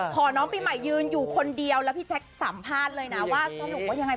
น้องปีใหม่ยืนอยู่คนเดียวแล้วพี่แจ๊คสัมภาษณ์เลยนะว่าสรุปว่ายังไง